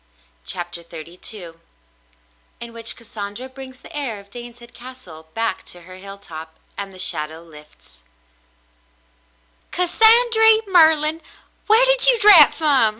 CHAPTER XXXII IN WHICH CASSANDRA BRINGS THE HEIR OF DANESHEAD CASTLE BACK TO HER HILLTOP, AND THE SHADOW LIFTS "Cassandry Merlin, whar did you drap from